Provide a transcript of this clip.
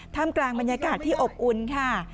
กลางบรรยากาศที่อบอุ่นค่ะ